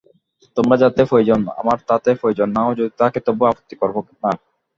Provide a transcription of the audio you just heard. তোমার যাতে প্রয়োজন আমার তাতে প্রয়োজন না-ও যদি থাকে তবু আপত্তি করব না।